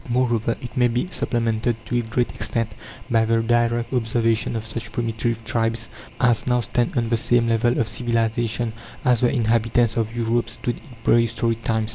Moreover, it may be supplemented, to a great extent, by the direct observation of such primitive tribes as now stand on the same level of civilization as the inhabitants of Europe stood in prehistoric times.